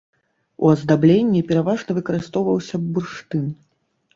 У аздабленні пераважна выкарыстоўваўся бурштын.